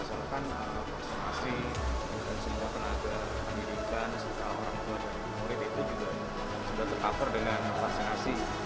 soalnya kan masih bukan semua tenaga pendidikan sekalian orang tua dan murid itu juga sudah tercover dengan vaksinasi